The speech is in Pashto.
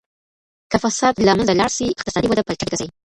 که فساد له منځه لاړ سي اقتصادي وده به چټکه سي.